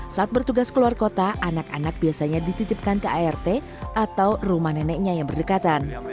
saat bertugas keluar kota anak anak biasanya dititipkan ke art atau rumah neneknya yang berdekatan